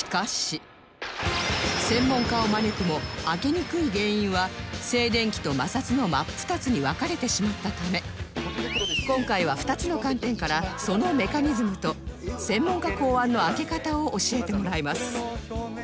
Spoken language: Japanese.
専門家を招くも開けにくい原因は静電気と摩擦の真っ二つに分かれてしまったため今回は２つの観点からそのメカニズムと専門家考案の開け方を教えてもらいます